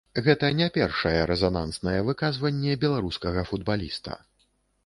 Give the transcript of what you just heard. Гэта не першае рэзананснае выказванне беларускага футбаліста.